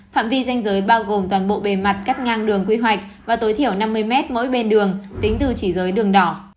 phạm vi danh giới bao gồm toàn bộ bề mặt cắt ngang đường quy hoạch và tối thiểu năm mươi mét mỗi bên đường tính từ chỉ giới đường đỏ